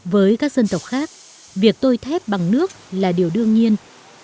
với các dân tộc khác việc tôi thép bằng nước là điều đương nhiên